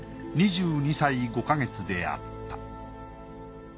２２歳５か月であった。